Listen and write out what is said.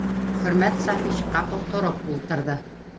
Хөрмәт Сафич ҡапыл тороп ултырҙы